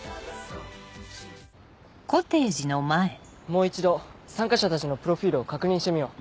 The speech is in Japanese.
もう一度参加者たちのプロフィルを確認してみよう。